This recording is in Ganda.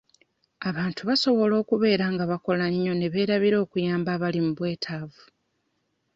Abantu basobola okubeera nga bakola nnyo ne beerabira okuyamba abali mu bwetaavu.